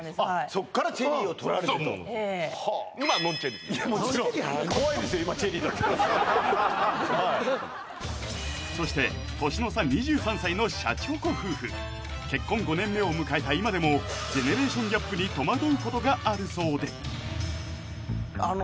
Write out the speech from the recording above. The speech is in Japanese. そっからチェリーを取られてともちろんそして結婚５年目を迎えた今でもジェネレーションギャップに戸惑うことがあるそうであの